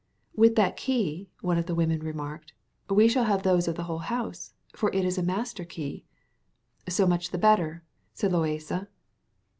"With that key," one of the women remarked, "we shall have those of the whole house, for it is a master key." "So much the better," said Loaysa.